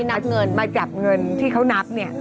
นัดเงินมาจับเงินที่เขานับเนี่ย